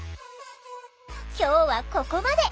今日はここまで。